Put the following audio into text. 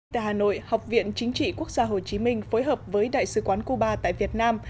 tại hà nội học viện chính trị quốc gia hồ chí minh phối hợp với đại sứ quán cuba tại việt nam